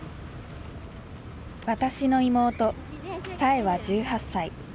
私の妹彩英は１８歳。